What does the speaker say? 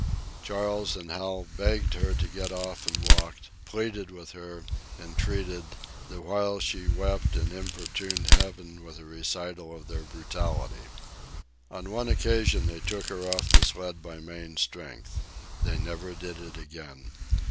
Charles and Hal begged her to get off and walk, pleaded with her, entreated, the while she wept and importuned Heaven with a recital of their brutality. On one occasion they took her off the sled by main strength. They never did it again.